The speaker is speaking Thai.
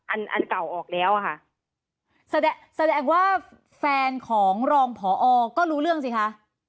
อันอันเก่าออกแล้วอะค่ะแสดงแสดงว่าแฟนของรองผอก็รู้เรื่องสิคะ